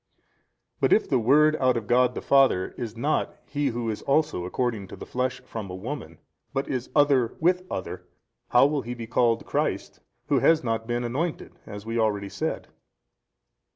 A. But if the Word out of God the Father is not He Who is also according to the flesh from a woman, but is Other with other 32, how will ho be called Christ who has not been anointed as we already said?